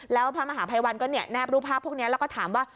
แล้วพระมหาภัยวันก็แนบรูปภาพพวกนี้แล้วก็ถามว่า